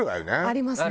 ありますね。